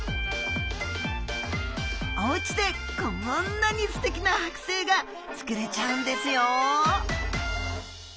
おうちでこんなにすてきなはく製が作れちゃうんですよ。